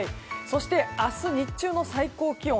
そして、明日日中の最高気温。